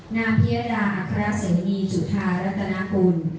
นางพิยดาพระเสนีจุธารัตนากุล